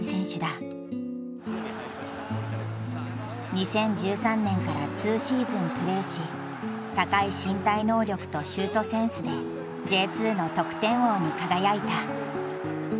２０１３年から２シーズンプレーし高い身体能力とシュートセンスでＪ２の得点王に輝いた。